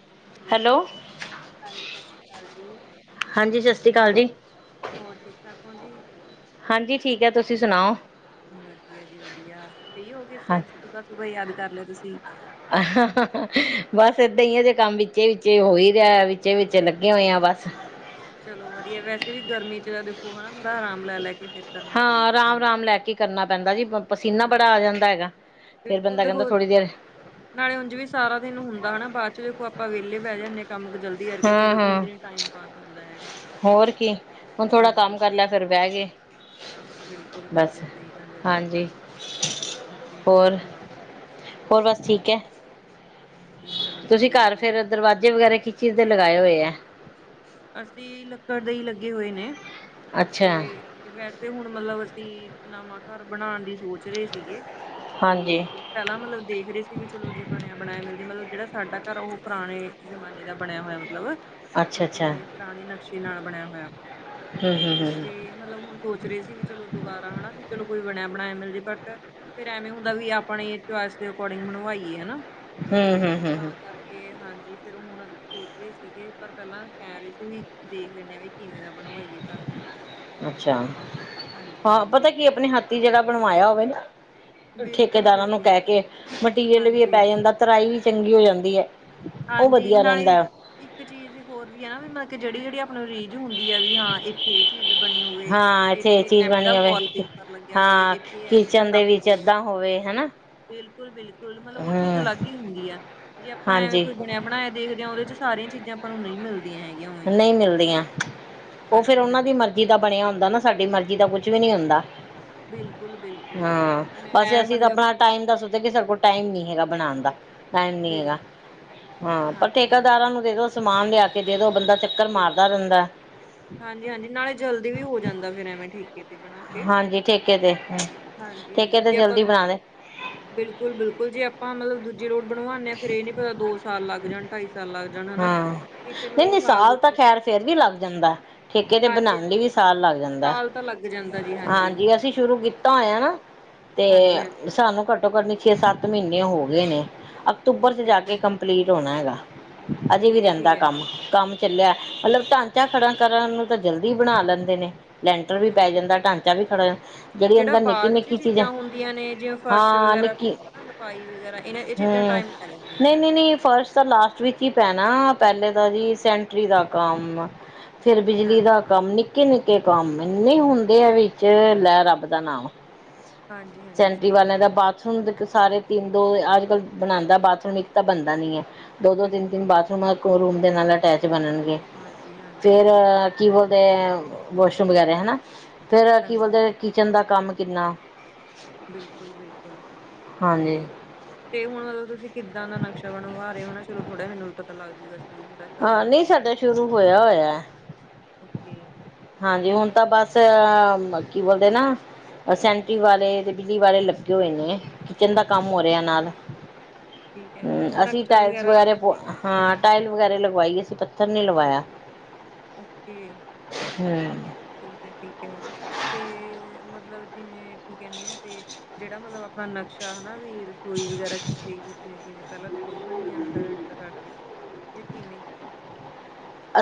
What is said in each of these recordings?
ਹਾਂ, ਹੈਲੋ ਹਾਂਜੀ ਸਤਿ ਸ਼੍ਰੀ ਅਕਾਲ ਜੀ। ਹਾਂਜੀ, ਸਤਿ ਸ਼੍ਰੀ ਅਕਾਲ ਜੀ। ਹੋਰ ਠੀਕ -ਠਾਕ ਹੋ ਜੀ। ਹਾਂਜੀ ਠੀਕ ਹੈ, ਤੁਸੀਂ ਸੁਣਾਓ? ਵਧੀਆ ਜੀ ਵਧੀਆ ਫਰੀ ਹੋ ਗਏ ਸੀ ਹਾਂ ਅੱਜ ਸੁਬਾਹ- ਸੁਬਾਹ ਯਾਦ ਕਰ ਲਿਆ ਤੁਸੀ। ਬੱਸ ਏਦਾਂ ਹੀ ਅਜੇ ਕੰਮ ਵਿੱਚੇ ਵਿੱਚ ਹੋਏ ਰਿਹਾ ਵੀ ਤੇ ਵਿੱਚੇ ਲੱਗੇ ਹੋਏ ਆ ਬਸ ਚਲੋ ਵਧੀਆ, ਵੈਸੇ ਵੀ ਗਰਮੀ 'ਚ' ਨਾ ਦੇਖੋ ਹਨਾ ਥੋੜਾ ਆਰਾਮ ਲੈ- ਲੈ ਕੇ ਫਿਰ ਕਰਨਾ ਹਾਂ ਚਾਹੀਦਾ ਰਾਮ- ਤੁਹਾਨੂੰ। ਰਾਮ ਲੈ ਕੇ ਕਰਨਾ ਪੈਂਦਾ ਜੀ ਪਸੀਨਾ ਹਾਂਜੀ ਬੜਾ ਆ ਜਾਂਦਾ ਹੈਗਾ ਫਿਰ ਬਿਲਕੁਲ ਬੰਦਾ ਕਹਿੰਦਾ ਦੇਖੋ ਥੋੜ੍ਹੀ ਦੇਰ ਨਾਲੇ ਉੰਝ ਵੀ ਸਾਰਾ ਦਿਨ ਹੁੰਦਾ ਹਨਾ ਬਾਅਦ ਚ ਦੇਖੋ ਆਪਾਂ ਵਿਹਲੇ ਬਹਿ ਜਾਂਦੇ ਆ ਕੰਮ ਤੋ ਜਲਦੀ ਕਰਕੇ ਹਾਂ ਫਿਰ ਉਂਝ ਹਾਂ ਨੀ ਟਾਈਮ ਪਾਸ ਹੁੰਦਾ ਹੈਗਾ। ਹੋਰ ਕੀ ਹੁਣ [inaudible] ਥੋੜਾ ਕੰਮ ਕਰ ਹਾਂਜੀ-ਹਾਂਜੀ ਲਿਆ ਫਿਰ ਬਹਿ ਗਏ ਬਿਲਕੁਲ- ਬਸ ਬਿਲਕੁਲ ਸਹੀ ਗੱਲ ਹੈ ਜੀ, ਹਾਂਜੀ ਹਾਂ [inaudible] ਹਾਂਜੀ ਹੋਰ ਸੁਣਾਓ ਹੋਰ ਬਸ ਠੀਕ ਹੈ। ਜੀ ਚਲੋ [inaudible] ਤੁਸੀਂ ਵਧੀਆ ਘਰ ਜੀ, ਫਿਰ ਦਰਵਾਜ਼ੇ ਵਗੈਰਾ ਕਿਸ ਚੀਜ਼ ਦਾ ਲਗਾਏ ਹੋਏ ਹੈ ਅਸੀਂ ਲੱਕੜ ਦੇ ਹੀ ਲੱਗੇ ਹੋਏ ਨੇ [inaudible] ਤੇ ਅੱਛਾ ਤੇ ਵੈਸੇ ਹੁਣ ਮਤਲਬ ਅਸੀਂ ਨਵਾਂ ਘਰ ਬਣਾਉਣ ਲਈ ਸੋਚ ਰਹੇ ਸੀਗੇ [inaudible] ਵੀ ਹਾਂਜੀ ਚਲੋ ਪਹਿਲਾਂ ਮਤਲਬ ਦੇਖ ਰਹੇ ਸੀ ਵੀ ਚਲੋ ਜੇ ਬਣਿਆ ਬਣਾਇਆ ਮਿਲਜੇ ਜਿਹੜਾ ਸਾਡਾ ਘਰ ਹੈ ਉਹ ਪੁਰਾਣੇ ਜਮਾਨੇ ਦਾ ਬਣਿਆ ਹੋਇਆ, ਮਤਲਬ ਅੱਛਾ ਵੀ ਅੱਛਾ ਜਿਵੇਂ ਪੁਰਾਣੇ ਨਕਸ਼ੇ ਨਾਲ ਬਣਿਆ ਹੋਇਆ। ਹਮ ਹਮ [inaudible] ਹਮ ਤੇ ਮਤਲਬ ਹੁਣ ਸੋਚ ਰਹੇ ਸੀ ਵੀ ਚਲੋ ਦੁਬਾਰਾ ਹਨਾ ਵੀ ਚਲੋ ਕੋਈ ਬਣਿਆ ਬਣਾਇਆ ਮਿਲ ਜੇ ਬਟ ਫਿਰ ਐਵੇਂ ਹੁੰਦਾ ਵੀ ਆਪਣੇ ਚੋਇਸ ਦੇ ਰਿਕੋਡਿੰਗ ਬਣਵਾਈਏ ਹਨਾ। ਹੂੰ ਤੇ ਹੂੰ ਹੂੰ ਤਾਂ ਹੂੰ ਕਰਕੇ ਹਾਂਜੀ ਫਿਰ ਹੁਣ ਸੋਚ ਰਹੇ ਸੀਗੇ ਪਰ ਪਹਿਲਾਂ ਕਹਿ ਰਹੇ ਸੀ ਵੀ ਦੇਖ ਲੈਂਨੇ ਆ ਵੀ ਕਿਵੇਂ ਦਾ ਬਣਵਾਈਏ ਘਰ ਅੱਛਾ [inaudible] ਹਾਂਜੀ ਹਾਂ ਪਤਾ ਹਾਂਜੀ ਕੀ ਜਿਹੜਾ ਆਪਣੇ ਹੱਥੀ ਜਿਹੜਾ ਬਣਵਾਇਆ ਹੋਵੇ ਨਾ ਬਿਲਕੁਲ ਠੇਕੇਦਾਰਾਂ ਬਿਲਕੁਲ ਨੂੰ ਕਹਿ ਕੇ ਮਟੀਰੀਅਲ ਵੀ ਇਹ ਹਾਂਜੀ ਪੈ ਜਾਂਦਾ ਤਰਾਈ ਵੀ ਚੰਗੀ ਹੋ ਜਾਂਦੀ ਹੈ ਉਹ ਹਾਂਜੀ ਵਧੀਆ ਨਾਲੇ। ਰਹਿੰਦਾ ਇੱਕ ਚੀਜ਼ ਹੋਰ ਵੀ ਹੈ ਨਾ ਵੀ ਮੈਂ ਕਿਹਾ ਜਿਹੜੀ -ਜਿਹੜੀ ਆਪਣੇ ਰੀਝ ਹੁੰਦੀ ਆ ਵੀ ਹਾਂ ਇੱਥੇ ਇਹ ਚੀਜ਼ ਬਣੀ ਹੋਵੇ, ਹਾਂ ਇਹ ਇੱਥੇ ਚੀਜ਼ ਐਵੇਂ ਦਾ ਬਣੀ ਹੋਵੇ ਵਾਲ ਪੇਪਰ ਲੱਗਿਆ ਹੋਵੇ, ਇੱਥੇ ਐਵੇਂ ਦਾ ਕੱਪ ਤੇ ਬੋਰਡ ਐਦਾਂ ਹੋਵੇ ਹਨਾ ਬਿਲਕੁਲ- ਬਿਲਕੁਲ ਮਤਲਬ ਉਹ ਚੀਜ਼ ਹੂੰ ਅਲੱਗ ਹੀ ਹੁੰਦੀ ਆ ਜੇ ਆਪਾਂ ਐਵੇਂ ਹਾਂਜੀ ਕੋਈ ਜੇ ਬਣਿਆ ਬਣਾਇਆ ਦੇਖਦੇ ਆ ਉਹਦੇ ਚ ਸਾਰੀਆਂ ਚੀਜ਼ਾਂ ਆਪਾਂ ਨੂੰ ਨਹੀਂ ਮਿਲਦੀਆਂ ਹੈਗੀਆਂ ਉਵੇਂ ਨਹੀਂ ਮਿਲਦੀਆਂ ਉਹ ਫਿਰ ਹਾਂਜੀ ਉਹਨਾਂ ਦੀ ਹਾਂਜੀ ਮਰਜ਼ ਮਿੱਟੀ ਬਣਿਆ ਹੁੰਦਾ ਨਾ ਸਾਡੀ ਮਰਜ਼ੀ ਦਾ ਕੁਛ ਵੀ ਨਹੀਂ ਹੁੰਦਾ। ਬਿਲਕੁਲ ਬਿਲਕੁਲ ਹਾਂ, ਬੱਸ ਮੈਂ ਅਸੀਂ ਤਾਂ ਮਤਲਬ ਆਪਣਾ ਟਾਇਮ ਦੱਸਦੇ ਕਿ ਸਾਡੇ ਕੋਲ ਟਾਇਮ ਨੀ ਹੈਗਾ ਬਣਾਣ ਦਾ ਟਾਈਮ ਨੀ ਹੈਗਾ ਬਿਲਕੁਲ ਹਾਂ ਪਰ ਹਾਂਜੀ ਠੇਕੇਦਾਰਾਂ ਹਾਂਜੀ ਨੂੰ ਦੇ ਦੋ ਸਮਾਨ ਲਿਆ ਕੇ ਦੇ ਦੋ ਬੰਦਾ ਚੱਕਰ ਮਾਰਦਾ ਬਿਲਕੁੱਲ, ਰਹਿੰਦਾ। ਹਾਂਜੀ-ਹਾਂਜੀ ਨਾਲੇ ਜਲਦੀ ਵੀ ਹੋ ਜਾਂਦਾ ਫਿਰ ਐਵੇਂ ਠੀਕ ਤੇ ਬਣਾ ਕੇ, ਹਾਂਜੀ ਠੇਕੇ ਤੇ ਠੇਕੇ ਹਾਂਜੀ-ਹਾਂਜੀ ਤੇ ਜੇ ਆਪਾਂ ਜਲਦੀ ਬਣਾ ਦੇ ਬਿਲਕੁੱਲ-ਬਿਲਕੁੱਲ ਜੇ ਆਪਾਂ ਮਤਲਬ ਦੂਜੇ ਲੋਟ ਬਣਵਾਉਦੇ ਆ ਫਿਰ ਇਹ ਨੀ ਪਤਾ ਦੋ ਸਾਲ ਲੱਗ ਜਾਣ ਢਾਈ ਸਾਲ ਲੱਗ ਜਾਣ ਹਨਾ। ਹਾਂ, ਇੱਥੇ ਮਤਲਬ ਨਹੀ-ਨਹੀ ਸਾਲ ਦੇ ਤਾਂ ਖੈਰ ਫੇਰ ਵੀ ਲੱਗ ਜਾਂਦਾ ਠੇਕੇ ਤੇ ਬਣਾਉਣ ਹਾਂਜੀ-ਹਾਂਜੀ ਲਈ ਵੀ ਸਾਲ ਲੱਗ ਜਾਂਦਾ। ਸਾਲ ਤਾਂ ਲੱਗ ਜਾਂਦਾ ਹਾਂਜੀ, ਅਸੀਂ ਸ਼ੁਰੂ ਕੀਤਾ ਹੋਇਆ ਨਾ ਤੇ ਹਾਂਜੀ-ਹਾਂਜੀ ਸਾਨੂੰ ਕੱਟ ਘੱਟੋ-ਘੱਟ ਨੀ ਛੇ, ਸੱਤ ਮਹੀਨੇ ਹੋ ਗਏ ਨੇ, ਅਕਤੂਬਰ ਚ ਜਾ ਓਕੇ-ਓਕੇ ਕੇ ਕੰਪਲੀਟ ਹੋਣਾ ਹੈਗਾ। ਅਜੇ ਵੀ ਠੀਕ ਰਹਿੰਦਾ ਐ-ਠੀਕ ਐ ਕੰਮ, ਕੰਮ ਚੱਲਿਆ ਮਤਲਬ ਢਾਂਚਾ ਖੜਾ ਕਰਨ ਨੂੰ ਤਾਂ ਜਲਦੀ ਬਣਾ ਲੈਂਦੇ ਨੇ ਲੈਂਟਰ ਵੀ ਪੈ ਬਿਲਕੁਲ ਜਾਂਦਾ, ਢਾਂਚਾ ਵੀ ਖੜਾ ਹੋ ਜਾਂਦਾ, ਜਿਹੜੀ ਜਿਹੜਾ ਅੰਦਰ ਨਿੱਕੀ ਬਾਅਦ ਚ -ਨਿੱਕੀ ਚੀਜ਼ਾਂ ਹੁੰਦੀਆਂ ਨੇ ਜਿਵੇਂ ਫਰਸ਼ ਹਾਂ ਨਿੱ ਵਗੈਰਾ ਹਨਾ ਲਪਾਈ ਵਗੈਰਾ ਇਹਨਾਂ ਇਹ ਚੀਜ਼ਾਂ ਹਮ, ਟਾਈਮ ਲੈ ਲੈਂਦੀਆਂ ਨੇ ਨਹੀਂ-ਨਹੀਂ-ਨਹੀਂ ਫਸਟ ਤਾਂ ਲਾਸਟ ਵਿੱਚ ਈ ਪੈਣਾ, ਪਹਿਲੇ ਤਾ ਜੀ ਸੈਂਨੇਟਰੀ ਦਾ ਕੰਮ ਆ ਫਿਰ ਬਿਜਲੀ ਹਾਂਜੀ ਦਾ ਕੰਮ ਨਿੱਕੇ-ਨਿੱਕੇ ਕੰਮ ਇੰਨੇ ਹੁੰਦੇ ਆ ਬਿਲਕੁਲ-ਬਿਲਕੁਲ ਵਿੱਚ, ਲੈ ਰੱਬ ਦਾ ਨਾਮ ਹਾਂਜੀ-ਹਾਂਜੀ ਸੈਂਟਰੀ ਸਹੀ ਵਾਲਿਆਂ ਗੱਲ ਦਾ ਆ। ਬਾਥਰੂਮ ਸਾਰੇ ਤਿੰਨ ਦੋ ਅੱਜ ਕਲ ਬਣਾਉਂਦਾ ਬਾਥਰੂਮ ਇੱਕ ਤਾਂ ਬਣਦਾ ਨੀ ਆ ਦੋ-ਦੋ, ਬਿਲਕੁਲ ਤਿੰਨ-ਤਿੰਨ ਬਾਥਰੂਮ ਰੂਮ ਦੇ ਨਾਲ ਅਟੈਚ ਬਣਨਗੇ, ਫਿਰ ਹਾਂਜੀ-ਹਾਂਜੀ-ਹਾਂਜੀ ਸਹੀ ਕੀ ਬੋਲਦੇ ਵਾਸ਼ਰੂਮ ਵਗੈਰਾ ਹੈਨਾ, ਫੇਰ ਕੀ ਹਾਂਜੀ ਬੋਲਦੇ ਆ ਕਿਚਨ ਦਾ ਕੰਮ ਕਿੰਨਾ ਬਿਲਕੁੱਲ-ਬਿਲਕੁੱਲ ਹਾਂਜੀ ਸਹੀ ਐ। ਤੇ ਹੁਣ ਮਤਲਬ ਤੁਸੀਂ ਕਿੱਦਾਂ ਦਾ ਨਕਸ਼ਾ ਬਣਵਾ ਰਹੇ ਓ, ਹੈਨਾ ਚਲੋ ਥੋੜਾ ਜਾ ਮੈਨੂੰ ਵੀ ਪਤਾ ਲੱਗਜੂ ਗਾ। ਹਾਂ ਨਹੀਂ ਸਾਡਾ ਸ਼ੁਰੂ ਹੋਇਆ- ਹੋਇਆ। ਓਕੇ ਹਾਂਜੀ, ਹੁਣ ਕਿੱਦਾਂ ਤਾਂ ਦਾ ਬਸ ਕੀ ਬੋਲਦੇ ਨਾ ਸੈਂਨੇਟਰੀ ਵਾਲੇ, ਬਿਜਲੀ ਵਾਲੇ ਲੱਗੇ ਹੋਏ ਨੇ। ਕਿਚਨ ਦਾ ਕੰਮ ਹੋ ਰਿਹਾ ਨਾਲ ਠੀਕ ਹੈ ਅਸੀਂ ਨਕਸ਼ਾ ਟਾਇਲਸ ਵਗੈਰਾ ਪ ਤੁਸੀਂ ਹਾਂ ਟਾਇਲ ਵਗੈਰਾ ਲਗਵਾਈ, ਅਸੀਂ ਪੱਥਰ ਨੀ ਲਗਵਾਇਆ। ਓਕੇ, ਠੀਕ ਐ ਠੀਕ ਐ ਤੇ ਮਤਲਬ ਜਿਵੇਂ ਕੀ ਕਹਿੰਦੇ ਆ ਤੇ ਜਿਹੜਾ ਮਤਲਬ ਆਪਣਾ ਨਕਸ਼ਾ ਹੈਨਾ ਵੀ ਰਸੋਈ ਵਗੈਰਾ ਕਿਵੇਂ-ਕਿਵੇਂ ਪਹਿਲਾਂ ਦੂਈ ਬਣੀ ਆ ਅੰਦਰ ਐਂਟਰ ਕਰਕੇ, ਕਿ ਕਿਵੇਂ?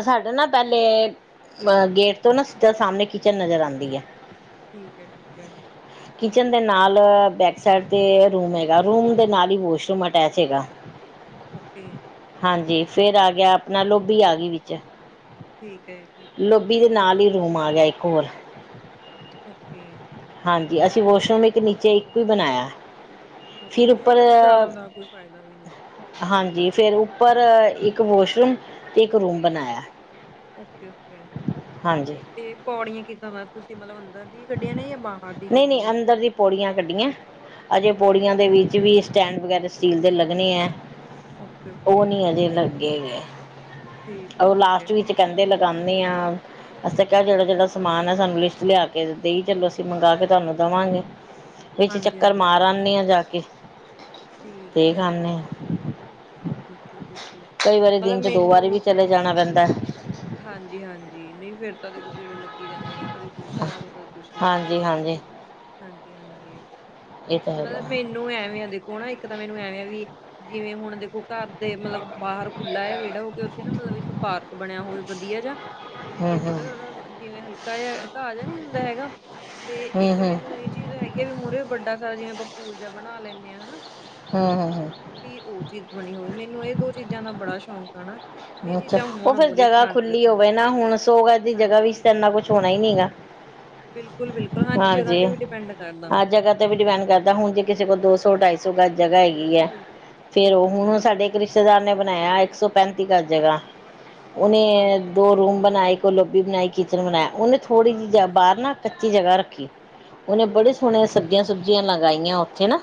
ਸਾਡੇ ਨਾ ਪਹਿਲੇ, ਗੇਟ ਤੋਂ ਨਾ ਸਿੱਧਾ ਸਾਹਮਣੇ ਕਿਚਨ ਨਜ਼ਰ ਆਦੀ ਐ। ਠੀਕ ਐ, ਠੀਕ ਆ। ਕਿਚਨ ਦੇ ਨਾਲ ਬੈਕ ਸਾਈਡ 'ਤੇ ਰੂਮ ਹੈਗਾ ਰੂਮ ਦੇ ਨਾਲ ਹੀ ਵੋਸ਼ਰੂਮ ਅਟੈਚ ਹੈਗਾ। [inaudible] ਓਕੇ। ਹਾਂਜੀ ਫੇਰ ਆ ਗਿਆ, ਆਪਣਾ ਲੋਭੀ ਆ ਗਈ ਵਿੱਚ। ਠੀਕ ਹੈ ਠੀਕ ਹੈ ਲੋਭੀ ਦੇ ਨਾਲ ਈ ਰੂਮ ਆ ਗਿਆ ਇੱਕ ਹੋਰ। ਓਕੇ। ਹਾਂਜੀ, ਅਸੀਂ ਵਾਸ਼ਰੂਮ ਇੱਕ ਨੀਚੇ ਇੱਕ ਈ ਬਣਾਇਆ। ਫਿਰ ਓਕੇ, ਨਹੀਂ ਉੱਪਰ ਦੇਖੋ ਜ਼ਿਆਦਾ ਦਾ ਕੋਈ ਫਾਇਦਾ ਵੀ ਨੀ। ਹਾਂਜੀ, ਫੇਰ ਉੱਪਰ ਇੱਕ ਵਾਸ਼ਰੂਮ ਤੇ ਇੱਕ ਰੂਮ ਬਣਾਇਆ। ਓਕੇ-ਓਕੇ। ਹਾਂਜੀ। ਤੇ ਪੌੜੀਆਂ ਕਿੱਦਾ ਦਾ, ਤੁਸੀਂ ਮਤਲਬ ਅੰਦਰ ਦੀ ਕੱਢੀਆਂ ਨੇ ਜਾਂ ਬਾਹਰ ਦੀ ਨਹੀਂ- ਨਹੀਂ ਕੱਢੀਆਂ ਨੇ ਅੰਦਰ ਦੀ ਪੌੜੀਆਂ ਕੱਢੀਆਂ, ਅਜੇ ਓਕੇ ਪੌੜੀਆਂ ਦੇ ਵਿੱਚ ਵੀ ਸਟੈਂਡ ਵਗੈਰਾ ਸਟੀਲ ਦੇ ਲੱਗਣੇ ਆ, ਓਕੇ ਉਹ ਓਕੇ ਨਹੀਂ ਅਜੇ ਲੱਗੇ ਵੇ। ਠੀਕ ਹੈ ਉਹ ਠੀਕ ਲਾਸਟ ਹੈ ਵਿੱਚ ਕਹਿੰਦੇ, ਲਗਾਉਂਦੇ ਆਂ। ਅਸੀਂ ਕਿਹਾ ਜਿਹੜਾ- ਜਿਹੜਾ ਸਮਾਨ ਆ, ਸਾਨੂੰ ਲਿਸਟ ਲਿਆ ਦੇ ਦਿੱਤੀ, ਚਲੋ ਅਸੀਂ ਮੰਗਾ ਕੇ ਤੁਹਾਨੂੰ ਦੇਵਾਂਗੇ, ਵਿੱਚ ਹਾਂਜੀ ਚੱਕਰ ਹਾਂਜੀ ਮਾਰਾਂਗੇ। [unintelligible] ਜਾ ਕੇ ਤੇ ਠੀਕ ਹੈ ਦੇਖ ਠੀਕ ਹੈ ਆਨੇ। ਬਿਲਕੁਲ ਬਿਲਕੁਲ ਕਈ ਵਾਰੀ ਦਿਨ ਮਤਲਬ 'ਚ ਦੋ ਵਾਰੀ ਵੀ ਚਲੇ ਜਾਣਾ ਪੈਂਦਾ। ਹਾਂਜੀ-ਹਾਂਜੀ, ਨਹੀਂ ਫੇਰ ਤਾਂ ਉਹ ਦੇਖੋ ਗੇੜੇ ਲੱਗੇ ਜਾਂਦੇ ਨੇ। ਕਦੇ ਕੁਛ ਲਿਆ ਦੋ, ਕਦੇ ਕੁਛ ਲਿਆ ਦੋ। ਹਾਂਜੀ ਹਾਂਜੀ ਹਾਂਜੀ ਹਾਂਜੀ, ਇਹ ਤਾਂ ਹੈਗਾ ਮਤਲਬ ਮੈਨੂੰ ਐਵੇਂ ਆ ਦੇਖੋ ਹਨਾ ਇੱਕ ਤਾਂ ਮੈਨੂੰ ਐਵੇਂ ਵੀ, ਜਿਵੇਂ ਹੁਣ ਦੇਖੋ ਘਰ ਦੇ ਮਤਲਬ ਬਾਹਰ ਖੁੱਲ੍ਹਾ ਜਾਂ ਵਿਹੜਾ ਹੋ ਕੇ ਉੱਥੇ ਨਾ ਮਤਲਬ ਇੱਕ ਪਾਰਕ ਬਣਿਆ ਹੋਵੇ ਵਧੀਆ ਜਾ। ਹੂੰ ਜਿੱਥੇ ਹੂੰ ਥੋੜ੍ਹਾ- ਥੋੜਾ ਜਿਵੇਂ ਹਲਕਾ ਜਿਹਾ ਘਾਹ ਜਾ ਨੀ ਹੁੰਦਾ ਹੈਗਾ, ਤੇ ਹੂੰ ਇੱਕ ਹੂੰ ਮੈਨੂੰ ਇਹ ਚੀਜ਼ ਹੈਗੀ ਹੈ, ਵੀ ਮੂਹਰੇ ਵੀ ਵੱਡਾ ਸਾਰਾ ਜਿਵੇਂ ਆਪਾਂ ਪੂਲ ਜਾਂ ਬਣਾ ਲੈਂਦੇ ਆ ਹਨਾ। ਹਾਂ, ਹਾਂ, ਹਾਂ। ਵੀ ਉਹ ਚੀਜ਼ ਬਣੀ ਹੋਵੇ, ਮੈਨੂੰ ਇਹ ਦੋ ਚੀਜ਼ਾਂ ਦਾ ਬੜਾ ਸ਼ੌਕ ਆ ਨਾ। ਵੀ ਇਹ ਅੱਛਾ, ਚੀਜ਼ਾਂ ਉਹ ਹੋਣ ਫਿਰ ਮੂਹਰੇ ਜਗ੍ਹਾ ਫਰੰਟ ਦੇ ਖੁੱਲੀ ਉੱਪਰ ਹੋਵੇ ਨਾ, ਹੁਣ ਸੋ ਗਜ ਦੀ ਜਗ੍ਹਾ ਹਾਂਜੀ ਵਿੱਚ ਤਾਂ ਇਨਾ ਕੁਛ ਹੋਣਾ ਹੀ ਨੀਗਾ। ਬਿਲਕੁਲ- ਬਿਲਕੁਲ ਹਾਂਜੀ, ਜਗ੍ਹਾ ਤੇ ਵੀ ਡਿਪੈਂਡ ਕਰਦਾ। ਹਰ ਜਗ੍ਹਾ ਵੀ ਡਿਪੈਂਡ ਕਰਦਾ, ਹੁਣ ਜੇ ਕਿਸੇ ਕੋਲ ਦੋ ਸੌ, ਢਾਈ ਸੌ ਗਜ ਜਗ੍ਹਾ ਹੈਗੀ ਆ, ਬਿਲਕੁਲ ਫੇਰ ਉਹ ਹੁਣ ਉਹ ਬਿਲਕੁਲ-ਬਿਲਕੁਲ ਸਾਡੇ ਰਿਸ਼ਤੇਦਾਰ ਨੇ ਬਣਾਇਆ ਇੱਕ ਸੌ ਪੈਂਤੀ ਗਜ ਜਗ੍ਹਾ, ਉਹਨੇ ਦੋ ਰੂਮ ਬਣਾਏ ਤੇ ਲੋਬੀ ਬਣਾਈ, ਕਿਚਨ ਬਣਾਇ ਉਹਨੇ ਥੋੜ੍ਹੀ ਜਿਹੀ ਬਾਹਰ ਨਾ ਕੱਚੀ ਜਗ੍ਹਾ ਰੱਖੀ। ਉਹਨੇ ਬੜੇ ਸੋਹਣੇ ਸਬਜ਼ੀਆਂ ਸੁਬਜ਼ੀਆਂ ਲਗਾਈਆਂ ਉੱਥੇ ਨਾ।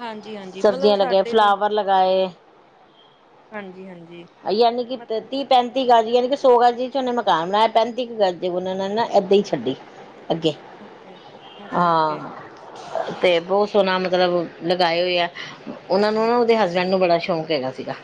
ਹਾਂਜੀ- ਹਾਂਜੀ, ਮਤਲਬ ਸਬਜ਼ੀਆਂ ਲਗਾਏ ਸਾਡੇ ਵੀ ਫਲਾਵਰ ਲਗਾਏ। ਹਾਂਜੀ- ਹਾਂਜੀ। ਯਾਨੀ ਕਿ ਤੇਤੀਵ। ਪੈਂਤੀ ਗਜ ਯਾਨੀ ਕਿ ਸੌ ਗਜ਼ ਚ ਉਹਨੇ ਮਕਾਨ ਬਣਾਇਆ, ਪੈਂਤੀ ਕੁ ਗਜੇ ਉਹ ਨੇ ਨਾ ਏਦਾਂ ਹੀ ਛੱਡੀ। ਅੱਗੇ, ਓਕੇ-ਓਕੇ ਹਾਂ। ਤੇ ਬਹੁਤ ਸੋਹਣਾ ਮਤਲਬ ਲਗਾਏ ਹੋਏ ਆ ਉਹਨਾਂ ਨੂੰ ਨਾ, ਉਹਦੇ ਹਸਬੈਂਡ ਨੂੰ ਬੜਾ ਸ਼ੌਕ ਹੈਗਾ ਸੀਗਾ।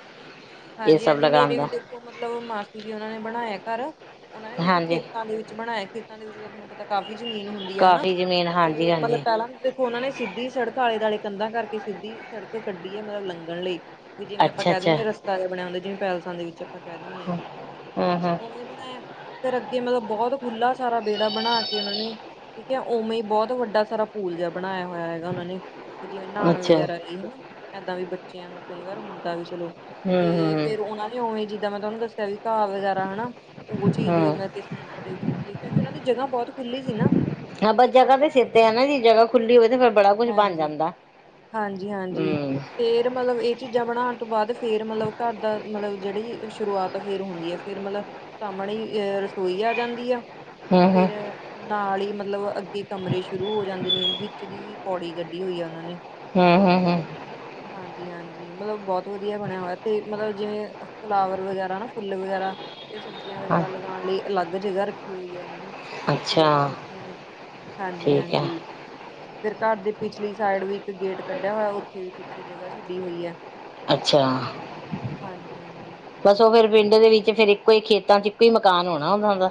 ਇਹ ਹਾਂਜੀ- ਸਭ ਹਾਂਜੀ, ਲਗਾਉਣ ਮੇਰੇ ਵੀ ਦਾ ਦੇਖੋ ਮਤਲਬ ਮਾਸੀ ਜੀ ਹੋਣਾ ਨੇ ਬਣਾਇਆ ਘਰ। ਉਹਨਾਂ ਨੇ ਦੇਖੋ ਹਾਂਜੀ ਖੇਤਾਂ ਦੇ ਵਿੱਚ ਬਣਾਇਆ, ਖੇਤਾਂ ਦੇ ਵਿੱਚ ਤਾਂ ਤੁਹਾਨੂੰ ਪਤਾ ਕਾਫ਼ੀ ਜ਼ਮੀਨ ਹੁੰਦੀ। ਆ ਹਨਾ, ਕਾਫੀ ਜ਼ਮੀਨ ਹਾਂਜੀ ਤੇ ਮਤਲਬ ਹਾਂਜੀ ਪਹਿਲਾਂ ਦੇਖੋ ਉਹਨਾਂ ਨੇ ਸਿੱਧੀ ਸੜਕ ਆਲੇ ਦੁਆਲੇ ਕੰਧਾਂ ਕਰਕੇ ਸਿੱਧੀ ਸੜਕ ਕੱਢੀ ਹੈ, ਮਤਲਬ ਲੰਘਣ ਲਈ। ਵੀ ਜਿਵੇਂ ਆਪਾਂ ਅੱਛਾ ਕਹਿ ਅੱਛਾ ਦਿਨੇ ਆ, ਰਸ ਤਾਜ਼ਾ ਬਣਿਆ ਹੁੰਦਾ, ਜਿਵੇਂ ਪੈਲਸਾਂ ਦੇ ਵਿੱਚ ਆਪਾਂ ਕਹਿ ਦਿੰਦੇ ਹਾਂ, ਹੂੰ ਹੂੰ ਉਵੇਂ ਬਣਾਇਆ। ਫਿਰ ਅੱਗੇ ਮਤਲਬ ਬਹੁਤ ਖੁੱਲ੍ਹਾ ਸਾਰਾ ਵਿਹੜਾ ਬਣਾ ਕੇ ਉਹ ਨੇ ਠੀਕ ਹੈ। ਉਵੇਂ ਹੀ ਬਹੁਤ ਵੱਡਾ ਸਾਰਾ ਪੂਲ ਜਿਹਾ ਬਣਾਇਆ ਹੋਇਆ ਹੈਗਾ ਉਹਨਾਂ ਨੇ। ਜਿਵੇਂ ਨਹਾਣ ਅੱਛਾ ਵਗੈਰਾ ਲਈ ਹਨਾ ਏਦਾਂ ਵੀ ਬੱਚਿਆਂ ਨੂੰ ਕਈ ਵਾਰ ਹੁੰਦਾ ਵੀ ਚਲੋ ਹੂੰ ਤੇ ਹੂੰ ਫਿਰ ਉਹਨਾ ਨੇ ਉਵੇਂ ਜਿੱਦਾਂ ਮੈਂ ਤੁਹਾਨੂੰ ਦੱਸਿਆ ਵੀ ਘਾਹ ਵਗੈਰਾ ਹਨਾ ਉਹ ਚੀਜ਼ ਵੀ ਹੂੰ ਮਤਲਬ ਕਿ ਸੈਂਟਰ ਦੇ ਵਿੱਚ ਸੀ ਕਿਉਂਕਿ ਉਹਨਾਂ ਦੀ ਜਗ੍ਹਾ ਬਹੁਤ ਖੁੱਲੀ ਸੀ ਨਾ। ਆਪਾਂ ਖੇਤਾਂ ਜਗ੍ਹਾ ਤੇ ਸਿਰ ਕਰਕੇ ਤੇ ਹੈ ਨਾ ਜੀ ਜਗ੍ਹਾ ਖੁੱਲੀ ਹੋਵੇ ਤੇ ਫੇਰ ਬੜਾ ਕੁੱਝ ਬਣ ਹਾਂਜੀ ਜਾਂਦਾ। ਹਾਂਜੀ- ਹਾਂਜੀ, ਹੂੰ ਫੇਰ ਮਤਲਬ ਇਹ ਚੀਜ਼ਾਂ ਬਣਾਉਣ ਤੋਂ ਬਾਅਦ ਫੇਰ ਮਤਲਬ ਘਰ ਦਾ ਮਤਲਬ ਜਿਹੜੀ ਸ਼ੁਰੂਆਤ ਆ ਫੇਰ ਹੁੰਦੀ ਹੈ। ਫੇਰ ਮਤਲਬ ਸਾਹਮਣੇ ਈ ਰਸੋਈ ਆ ਜਾਂਦੀ ਆ, ਹੂੰ ਹੂੰ ਫਿਰ ਨਾਲ ਹੀ ਮਤਲਬ ਅੱਗੇ ਕਮਰੇ ਸ਼ੁਰੂ ਹੋ ਜਾਂਦੇ ਨੇ ਵਿੱਚ ਦੀ ਪੌੜੀ ਕੱਢੀ ਹੋਈ ਆ ਉਹਨਾਂ ਨੇ। ਹਮ--ਹਮ- ਹਮ ਹਾਂਜੀ- ਹਾਂਜੀ, ਮਤਲਬ ਬਹੁਤ ਵਧੀਆ ਬਣਿਆ ਹੋਇਆ। ਤੇ ਮਤਲਬ ਜਿਵੇਂ ਫਲਾਵਰ ਵਗੈਰਾ ਫੁੱਲ ਵਗੈਰਾ ਤੇ ਸਬਜ਼ੀਆਂ ਵਗੈਰਾ ਲਗਾਉਣ ਲਈ ਅਲੱਗ ਜਗ੍ਹਾ ਰੱਖੀ ਹੋਈ ਹੈ ਉਹਨਾਂ ਨੇ ਉੱਥੇ ਅੱਛਾ ਲਗਾ ਰੱਖੀਆਂ ਨੇ। ਹਾਂਜੀ ਠੀਕ ਹੈ -ਹਾਂਜੀ। ਫੇਰ ਘਰ ਦੀ ਪਿਛਲੀ ਸਾਈਡ ਵੀ ਇੱਕ ਗੇਟ ਕੱਢਿਆ ਹੋਇਆ ਉੱਥੇ ਵੀ ਪਿੱਛੇ ਜਗ੍ਹਾ ਛੱਡੀ ਹੋਈ ਐ। ਅੱਛਾ। ਹਾਂਜੀ- ਹਾਂਜੀ। ਬਸ ਉਹ ਫਿਰ ਪਿੰਡ ਦੇ ਵਿੱਚ ਫਿਰ ਇੱਕੋ ਹੀ ਖੇਤਾਂ 'ਚ ਇੱਕੋ ਹੀ ਮਕਾਨ ਹੋਣਾ ਉਹਨਾਂ ਦਾ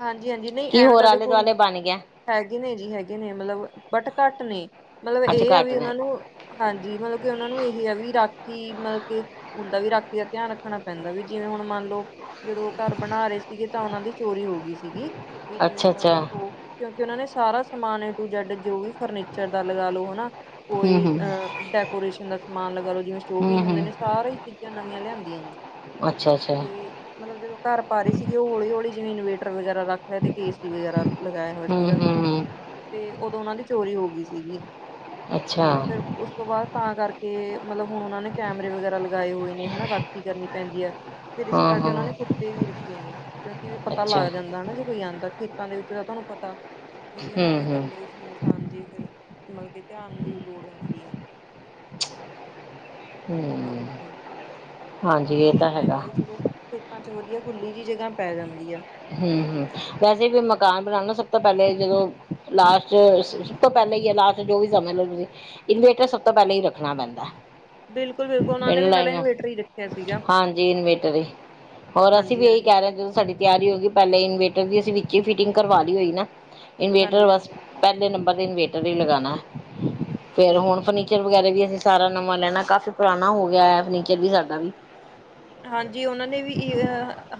ਹਾਂਜੀ -ਹਾਂਜੀ ਨਹੀਂ ਕੀ ਐਵੇਂ ਹੋਰ ਤਾਂ ਆਲੇ ਦੇਖੋ ਦੁਆਲੇ ਬਣ ਗਿਆ [inaudible] ਹੈਗੇ ਨੇ ਜੀ ਹੈਗੇ ਨੇ ਮਤਲਬ ਬਟ ਘੱਟ ਨੇ, ਮਤਲਬ ਅੱਛਾ ਇਹ ਆ ਘੱਟ ਵੀ ਨੇ ਉਹਨਾਂ ਨੂੰ ਹਾਂਜੀ, ਮਤਲਬ ਕੇ ਉਹਨਾਂ ਨੂੰ ਇਹ ਹੈ ਵੀ ਰਾਖੀ ਮਤਲਬ ਕੇ ਹੁੰਦਾ ਵੀ ਰਾਖੀ ਦਾ ਧਿਆਨ ਰੱਖਣਾ ਪੈਂਦਾ ਵੀ ਜਿਵੇਂ ਹੁਣ ਮੰਨ ਲਓ ਜਦੋਂ ਉਹ ਘਰ ਬਣਾ ਰਹੇ ਸੀਗੇ ਤਾਂ ਉਹਨਾਂ ਦੀ ਚੋਰੀ ਹੋ ਗਈ ਸੀਗੀ, ਵੀ ਜਿਵੇਂ ਅੱਛਾ ਹੁਣ ਉਹ ਅੱਛਾ ਦੇਖੋ ਕਿਉਂਕਿ ਉਹਨਾਂ ਨੇ ਸਾਰਾ ਸਮਾਨ ਏ ਟੂ ਜੈਡ ਜੋ ਵੀ ਫਰਨੀਚਰ ਦਾ ਲਗਾ ਲਓ ਹਨਾ। ਹੂੰ ਕੋਈ ਹੂੰ ਅ ਡੈਕੋਰੇਸ਼ਨ ਦਾ ਸਮਾਨ ਲਗਾ ਲਓ ਜਿਵੇਂ ਹੂੰ ਸੋ਼ਪੀਸ ਹੁੰਦੇ ਹੂੰ ਨੇ ਸਾਰੇ ਚੀਜ਼ਾਂ ਨਵੀਆਂ ਲਿਆਂਦੀਆਂ ਨੇ। ਅੱਛਾ- ਅੱਛਾ। ਤੇ ਮਤਲਬ ਜਦੋਂ ਘਰ ਪਾ ਰਹੀ ਸੀਗੀ ਉਹ ਹੌਲੀ ਹੌਲੀ ਜਿਵੇਂ ਇਨਵੈਟਰ ਵਗੈਰਾ ਰੱਖ ਤੇ ਏ ਸੀ ਵਗੈਰਾ ਲਗਾਇਆ ਹੋਇਆ ਹੂੰ ਸੀਗਾ, ਹੂੰ ਹੂੰ ਤੇ ਉਦੋਂ ਉਹਨਾਂ ਦੀ ਚੋਰੀ ਹੋ ਗਈ ਸੀਗੀ। ਅੱਛਾ ਤੇ ਫਿਰ ਉਸ ਤੋਂ ਬਾਅਦ ਤਾਂ ਕਰਕੇ ਮਤਲਬ ਹੁਣ ਉਹਨਾਂ ਨੇ ਕੈਮਰੇ ਵਗੈਰਾ ਲਗਾਏ ਹੋਏ ਨੇ ਹਨਾ ਰਾ ਖੀ ਕਰਨੀ ਪੈਂਦੀ ਹੈ। ਫਿਰ ਇਸ ਹਾਂ ਕਰਕੇ ਉਹਨਾਂ ਹਾਂ ਨੇ ਕੁੱਤੇ ਵੀ ਰੱਖੇ ਨੇ ਕਿਉਂਕਿ ਵੀ ਅੱਛਾ ਨਾਲੇ ਜੇ ਕੋਈ ਆਉਂਦਾ ਖੇਤਾਂ ਦੇ ਵਿੱਚ ਤਾਂ ਤੁਹਾਨੂੰ ਪਤਾ ਵੀ ਹਨਾ ਹੂੰ ਐਵੇਂ ਹੂੰ ਇਕੱਲੇ ਸੁੰਨਸਾਨ ਜੀ ਫੇਰ ਮਤਲਬ ਕਿ ਧਿਆਨ ਦੀ ਲੋੜ ਪੈਂਦੀ ਆ। [inaudible] ਹਾਂਜੀ ਹਾਂਜੀ। ਹੂੰ। ਪਰ ਹਾਂਜੀ ਇਹ ਮਤਲਬ ਤਾਂ ਹੈਗਾ ਐਵੇਂ ਆ ਵੀ ਚਲੋ, ਖੇਤਾਂ ਚ ਵਧੀਆ ਖੁੱਲ੍ਹੀ ਜਿਹੀ ਜਗ੍ਹਾ ਪੈ ਜਾਂਦੀ ਆ। ਹੂੰ -ਹੂੰ ਵੈਸੇ ਵੀ ਹਾਂਜੀ। ਮਕਾਨ ਬਣਾਉਦਾ ਸ ਸਭ ਤੋਂ ਪਹਿਲੇ ਜਦੋਂ ਲਾਸਟ ਸਭ ਤੋਂ ਪਹਿਲੇ ਹੀ ਲਾਸਟ ਜੋ ਵੀ ਸਮਝ ਲਓ ਤੁਸੀਂ ਇਨਵਰਟਰ ਸਭ ਤੋਂ ਪਹਿਲਾਂ ਹੀ ਰੱਖਣਾ ਪੈਂਦਾ। ਬਿਲਕੁਲ ਬਿਲਕੁਲ ਉਹਨਾਂ ਨੇ ਪਿੰਡ ਵੀ ਲੈ ਪਹਿਲਾਂ ਜਾ ਇਨਵੇਟਰ ਹੀ ਰੱਖਿਆ ਸੀਗਾ ਹਾਂਜੀ ਇਨਵਰਟਰ ਏ। ਹੋਰ ਅਸੀਂ ਹਾਂਜੀ ਇਹੀ ਹਾਂਜੀ ਕਹਿ ਰਹੇ ਜੇ ਸਾਡੀ ਤਿਆਰੀ ਹੋ ਗਈ ਪਹਿਲੇ ਇਨਵੇਟਰ ਦੀ ਅਸੀਂ ਵਿੱਚ ਹੀ ਫਿਟਿੰਗ ਕਰਵਾ ਲਈ ਹੋਈ ਨਾ ਇਨਵੇਟਰ ਹਾਂਜੀ ਹਾਂਜੀ, ਬਸ ਪਹਿਲੇ ਨੰਬਰ ਤੇ ਇਨਵੇਟਰ ਹੀ ਲਗਾਉਣਾ ਫਿਰ ਹੁਣ ਬਿਲਕੁਲ। ਫਰਨੀਚਰ ਵਗੈਰਾ ਵੀ ਅਸੀਂ ਸਾਰਾ ਨਵਾਂ ਲੈਣਾ, ਕਾਫੀ ਪੁਰਾਣਾ ਹੋ ਗਿਆ ਹੈ ਫਰਨੀਚਰ ਵੀ ਸਾਡਾ ਵੀ ਹਾਂਜੀ ਉਹਨਾਂ ਨੇ ਵੀ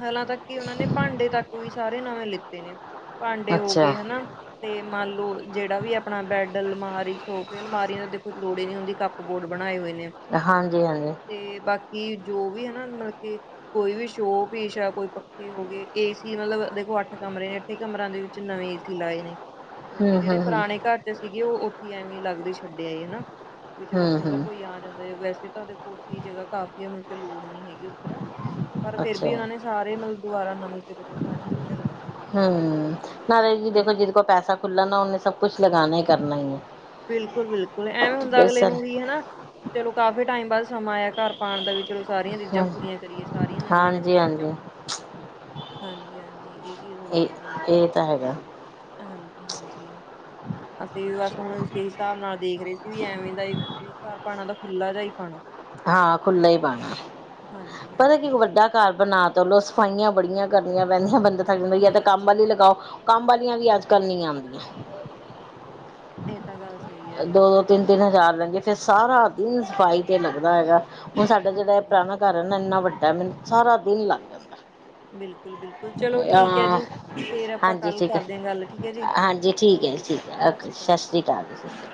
ਹਾਲਾਂ ਤੱਕ ਕਿ ਉਹਨਾਂ ਨੇ ਭਾਂਡੇ ਤੱਕ ਵੀ ਸਾਰੇ ਨਵੇਂ ਲਿੱਤੇ ਨੇ। ਭਾਂਡੇ ਹੋ ਅੱਛਾ ਗਏ ਹਨਾ, ਤੇ ਮੰਨ ਲੋ ਜਿਹੜਾ ਵੀ ਆਪਣਾ ਬੈਡ, ਅਲਮਾਰੀ, ਸੋਫੇ, ਅਲਮਾਰੀ ਦੇਖੋ, ਲੋੜ ਹੀ ਨੀ ਹੁੰਦੀ ਕੱਪ ਬੋਰਡ ਬਣਾਏ ਹੋਏ ਨੇ। ਹਾਂਜੀ -ਹਾਂਜੀ। ਤੇ ਬਾਕੀ, ਜੋ ਵੀ ਹਨਾ ਮਤਲਬ ਕੇ ਕੋਈ ਵੀ ਸ਼ੋਅ ਪੀਸ਼ ਹੈ, ਕੋਈ ਪੱਖੇ ਹੋ ਗਏ, ਏ ਸੀ, ਮਤਲਬ ਦੇਖੋ ਅੱਠ ਕਮਰੇ ਨੇ। ਅੱਠੇ ਕਮਰਾਂ ਦੇ ਵਿੱਚ ਨਵੇਂ ਏ ਸੀ ਲਾਏ ਨੇ। ਹ [inaudible] ਬਾਕੀ ਜਿਹੜੇ ਪੁਰਾਣੇ ਘਰ 'ਚ ਸੀਗੇ, ਉਹ ਉੱਥੇ ਐਵੇਂ ਲੱਗਦੇ ਛੱਡੇ ਆਏ ਹਨਾ। ਵੀ ਚਲੋ ਹੂੰ ਕਈ ਵਾਰ ਹੂੰ ਕੋਈ ਆ ਜਾਂਦਾ ਹੈ, ਵੈਸੇ ਤੁਹਾਡੇ ਕੋਠੀ 'ਚ ਜਗ੍ਹਾ ਕਾਫ਼ੀ ਹੈ, ਮਤਲਬ ਲੋੜ ਨੀ ਹੈਗੀ ਉੱਧਰ। ਪਰ ਫਿਰ ਅੱਛਾ ਵੀ ਉਹਨਾਂ ਨੇ, ਸਾਰੇ ਮਤਲਬ ਦੁਬਾਰਾ ਨਵੇਂ ਸਿਰ ਤੋਂ ਸਾਰੀਆਂ ਚੀਜ਼ਾਂ ਲਗਾਈਆਂ। ਹੂੰ। ਨਾਲੇ ਜੀ ਹਾਂਜੀ ਦੇਖੋ, ਜਿਹਦੇ ਕੋਲ ਪੈਸਾ ਖੁੱਲਾ ਨਾ, ਉਹਨੇ ਸਭ ਕੁਛ ਲਗਾਨਾ ਹੀ, ਕਰਨਾ ਹੀ ਐਂ। ਬਿਲਕੁਲ -ਬਿਲਕੁਲ ਐਵੇਂ ਹੁੰਦਾ ਅਗਲੇ ਨੂੰ ਹਨਾ, ਚਲੋ ਕਾਫ਼ੀ ਟਾਈਮ ਬਾਅਦ ਸਮਾਂ ਆਇਆ, ਘਰ ਪਾਉਣ ਦਾ ਵਿੱਚ ਚਲੋ ਸਾਰੀਆਂ ਰੀਜ਼ਾਂ ਹਾਂ ਪੂਰੀਆਂ ਕਰੀਏ, ਸਾਰੀਆਂ ਨਵੀਆਂ- ਨਵੀਆਂ ਹਾਂਜੀ ਚੀਜ਼ਾਂ। ਹਾਂਜੀ ਹਾਂਜੀ -ਹਾਂਜੀ, ਇਹ ਚੀਜ਼ ਹੋ ਇਹ ਜਾਂਦੀ ਐਂ। ਇਹ ਤਾਂ ਹੈਗਾ। ਹਾਂਜੀ-ਹਾਂਜੀ। [inaudible] ਅਸੀਂ ਵੀ ਬਸ ਹੁਣ, ਉਸ ਹਿਸਾਬ ਨਾਲ ਦੇਖ ਰਹੇ ਸੀ, ਵੀ ਐਵੇਂ ਦਾ ਘਰ ਪਾਣਾ ਦਾ ਖੁੱਲ੍ਹਾ ਜਾ ਹੀ ਪਾਣਾ। ਹਾਂ ਖੁੱਲ੍ਹਾ ਹੀ ਪਾਣਾ, ਪਤਾ ਕੀ ਹਾਂਜੀ-ਹਾਂਜੀ ਵੱਡਾ ਘਰ ਬਣਾ ਤਲੋਂ ਸਫਾਈਆਂ ਬੜੀਆਂ ਕਰਨੀਆਂ ਪੈਂਦੀਆਂ ਬੰਦੇ ਹੈ ਤਾਂ ਹਾਂ ਕੰਮ ਵਾਲੀ ਲਗਾਓ, ਕੰਮ ਵਾਲੀਆਂ ਵੀ ਬਿਲਕੁਲ ਅੱਜ-ਕੱਲ੍ਹ ਨਹੀਂ ਆਦੀਆਂ। ਇਹ ਤਾਂ ਗੱਲ ਸਹੀ ਹੈ ਜੀ। ਤਿੰਨ-ਤਿੰਨ ਹਜ਼ਾਰ ਲੈਦੀਏ, ਫਿਰ ਸਾਰਾ ਦਿਨ ਸਫਾਈ ਤੇ ਲੱਗਦਾ ਹੈਗਾ, ਹੁਣ ਸਾਡਾ ਜਿਹੜਾ ਹਾਂਜੀ। ਪੁਰਾਣਾ ਘਰ ਇੰਨਾਂ ਇੰਨਾਂ ਵੱਡਾ, ਮੈਨੂੰ ਸਾਰਾ ਦਿਨ ਲੱਗ ਜਾਂਦਾ। ਬਿਲਕੁਲ-ਬਿਲਕੁਲ ਚਲੋ ਠੀਕ ਹੈ ਹਹ ਜੀ ਫੇਰ ਆਪਾਂ ਹਾਂਜੀ ਕੱਲ ਠੀਕ ਹੈ, ਕਰਦੇ ਹਾਂ ਗੱਲ ਠੀਕ ਹੈ ਜੀ। ਹਾਂਜੀ ਠੀਕ ਹੈ। ਓਕੇ ਜੀ ਸਤਿ ਠੀਕ ਹੈ, ਓਕੇ, ਸ਼੍ਰੀ ਸਤਿ ਅਕਾਲ ਜੀ। ਸ੍ਰੀ ਆਕਾਲ ਜੀ।